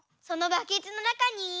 そのバケツのなかに。